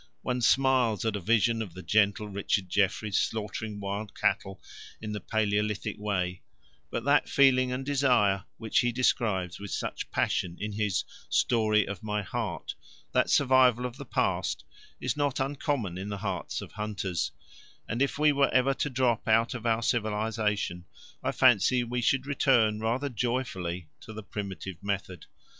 One smiles at a vision of the gentle Richard Jefferies slaughtering wild cattle in the palaeolithic way, but that feeling and desire which he describes with such passion in his Story of My Heart, that survival of the past, is not uncommon in the hearts of hunters, and if we were ever to drop out of our civilization I fancy we should return rather joyfully to the primitive method.